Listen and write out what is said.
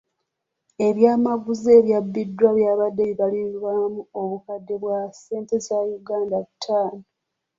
Ebyamaguzi ebyabbiddwa byabadde bibalirirwamu obukadde bwa ssente za Uganda butaano.